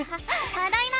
ただいま！